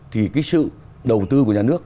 thì cái sự đầu tư của nhà nước